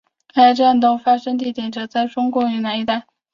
该战斗发生地点则是在中国赣南一带。